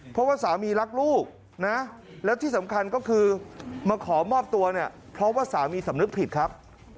เพราะว่าสามีรักลูกนะแล้วที่สำคัญก็คือมาขอมอบตัวเนี่ยเพราะว่าสามีสำนึกผิดครับ